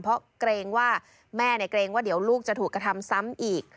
เพราะเกรงว่าแม่เกรงว่าเดี๋ยวลูกจะถูกกระทำซ้ำอีก